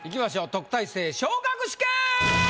「特待生昇格試験」！